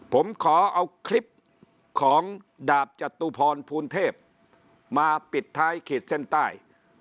ผมขอเอาคลิปของดาบจตุพรภูณเทพมาปิดท้ายขีดเส้นใต้